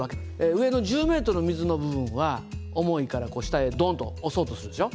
上の１０ｍの水の部分は重いからこう下へドンと押そうとするでしょ。